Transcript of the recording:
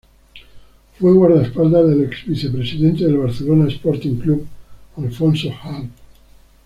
Fue guardaespaldas del ex vicepresidente del Barcelona Sporting Club, Alfonso Harb.